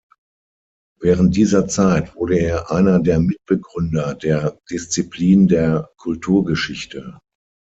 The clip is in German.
Während dieser Zeit wurde er einer der Mitbegründer der Disziplin der Kulturgeschichte.